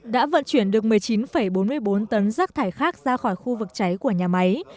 đã vận chuyển được một mươi chín bốn mươi bốn tấn rác thải khác ra khỏi khu vực cháy của nhà máy